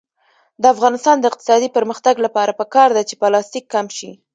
د افغانستان د اقتصادي پرمختګ لپاره پکار ده چې پلاستیک کم شي.